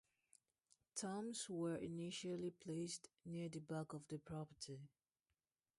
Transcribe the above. Tombs were initially placed near the back of the property.